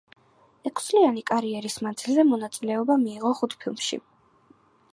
ექვსწლიანი კარიერის მანძილზე მონაწილეობა მიიღო ხუთ ფილმში.